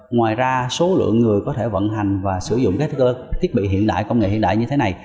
ngoài ra số lượng người có thể vận hành và sử dụng các thiết bị hiện đại công nghệ hiện đại như thế này